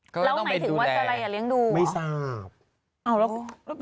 แล้วไหนถึงว่าสลัยอย่าเลี้ยงดูเหรอไม่ทราบ